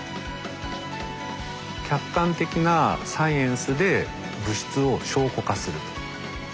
客観的なサイエンスで物質を証拠化する。